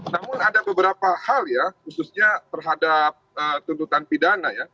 namun ada beberapa hal ya khususnya terhadap tuntutan pidana ya